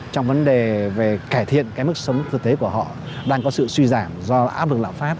trong vấn đề về cải thiện cái mức sống thực tế của họ đang có sự suy giảm do áp lực lạm phát